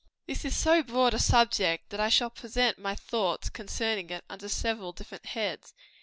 This is so broad a subject that I shall present my thoughts concerning it under several different heads.